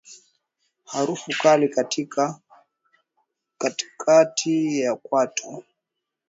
Harufu kali katikati ya kwato